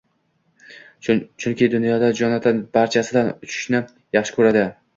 Chunki, dunyoda Jonatan barchasidan uchishni yaxshi ko‘radi.